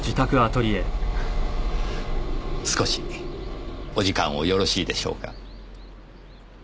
少しお時間をよろしいでしょうか？